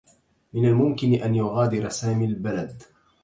من الممكن أن يغادر سامي البلد.